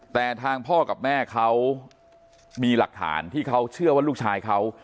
แต่ทางพ่อกับแม่เขามีหลักฐานที่เขาเชื่อว่าลูกชายเขา